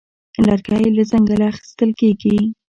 لرګی له ځنګله اخیستل کېږي.